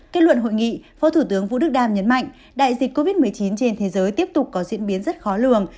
kết luận hội nghị phó thủ tướng vũ đức đam nhấn mạnh đại dịch covid một mươi chín trên thế giới tiếp tục có diễn biến rất khó lường